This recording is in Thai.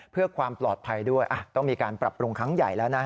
เพื่อความปลอดภัยด้วยต้องมีการปรับปรุงครั้งใหญ่แล้วนะ